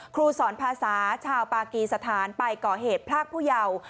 ครูสอนภาษาชาวปากีสถานไปก่อเหตุพรากผู้เยาว์